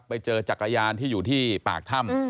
ไปเจอจักรยานที่อยู่ที่ปากถ้ำ